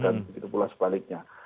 dan begitu pula sebaliknya